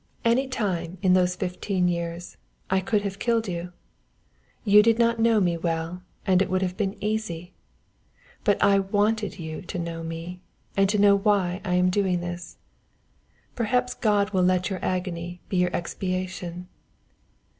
"Any time in those fifteen years I could have killed you, you did not know me well and it would have been easy. But I wanted you to know me and to know why I am doing this. Perhaps God will let your agony be your expiation."